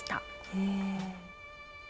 へえ。